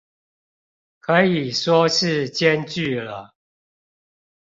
可以說是兼具了